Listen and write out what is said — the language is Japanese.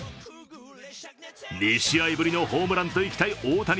２試合ぶりのホームランといきたい大谷。